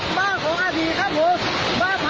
น้ำป่าที่มามาเร็วมาแรงมากเลยนะคะนี่บ้านพังทั้งหลังใช่ค่ะ